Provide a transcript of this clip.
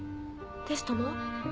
テストも？